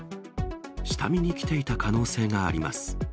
下見に来ていた可能性があります。